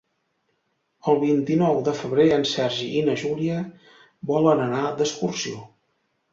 El vint-i-nou de febrer en Sergi i na Júlia volen anar d'excursió.